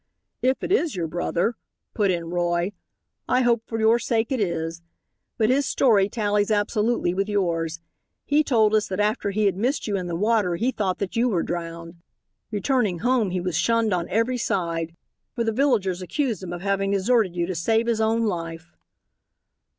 "If it is your brother," put in Roy, "I hope for your sake it is. But his story tallies absolutely with yours. He told us that after he had missed you in the water he thought that you were drowned. Returning home he was shunned on every side, for the villagers accused him of having deserted you to save his own life."